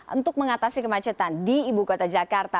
untuk mengatasi kemacetan di ibu kota jakarta